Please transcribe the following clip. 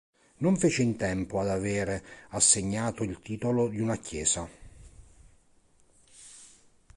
Non fece in tempo ad avere assegnato il titolo di una chiesa.